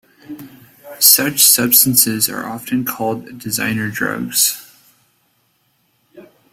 Such substances are often called designer drugs.